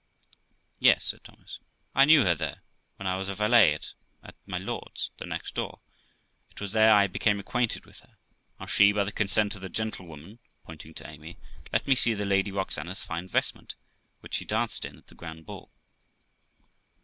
'Yes', said Thomas, 'I knew her there, when I was a valet at my Lord D 's, the next door; it was there I became acquainted with her; and she, by the consent of the gentlewoman', pointing to Amy, 'let me see the Lady Roxana's fine vestment, which she danced in at the grand ball.'